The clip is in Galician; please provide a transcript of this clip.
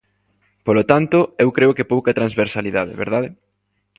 Polo tanto, eu creo que pouca transversalidade, ¿verdade?